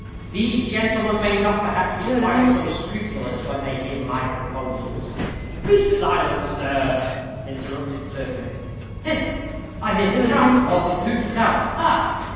"These gentlemen may not, perhaps, be quite so scrupulous, when they hear my proposals." "Be silent, sir," interrupted Turpin. "Hist! I hear the tramp of horses' hoofs without. Hark!